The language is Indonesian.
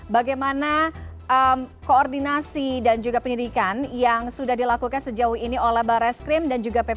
bagaimana koordinasi dan juga penyidikan yang sudah dilakukan sejauh ini oleh barreskrim dan juga pp